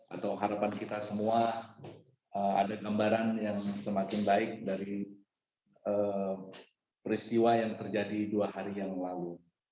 atau harapan kita semua ada gambaran yang semakin baik dari peristiwa yang terjadi dua hari yang lalu